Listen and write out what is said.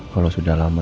kalau sudah lama